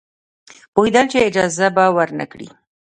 پوهېدل چې اجازه به ورنه کړي.